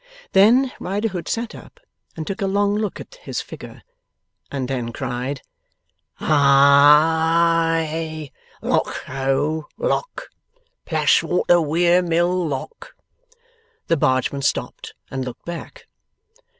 Then, Riderhood sat up and took a long look at his figure, and then cried: 'Hi I i! Lock, ho! Lock! Plashwater Weir Mill Lock!' The bargeman stopped, and looked back.